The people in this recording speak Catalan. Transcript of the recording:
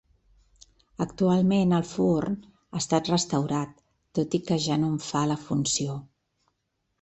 Actualment el forn ha estat restaurat, tot i que ja no en fa la funció.